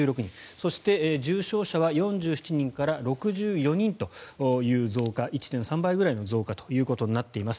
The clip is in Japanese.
そして、重症者は４７人から６４人という増加１．３倍ぐらいの増加ということになっています。